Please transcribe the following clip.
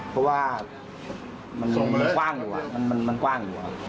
เพราะว่ามันกว้างอยู่